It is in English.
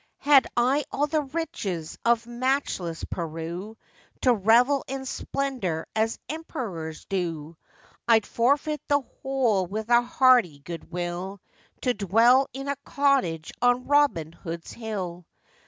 Had I all the riches of matchless Peru, To revel in splendour as emperors do, I'd forfeit the whole with a hearty good will, To dwell in a cottage on 'Robin Hood's Hill.